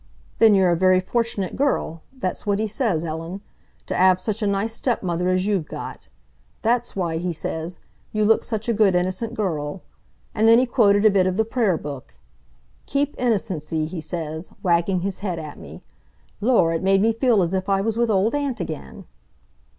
'Then you're a very fortunate girl'—that's what he says, Ellen—'to 'ave such a nice stepmother as you've got. That's why,' he says, 'you look such a good, innocent girl.' And then he quoted a bit of the Prayer Book. 'Keep innocency,' he says, wagging his head at me. Lor'! It made me feel as if I was with Old Aunt again."